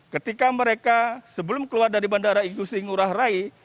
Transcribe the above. ketika mereka sebelum keluar dari bandara igusti ngurah rai